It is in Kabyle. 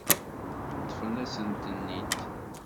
Ṭṭfen-asen-ten-id.